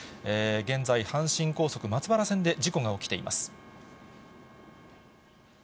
現在、阪神高速松原線で事故が起きています。